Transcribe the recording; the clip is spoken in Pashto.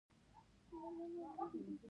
پښتانه نورو ژبو ته د عزت او پرمختګ نښه ګڼي.